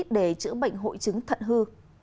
để chữa bệnh hội chứng thận hư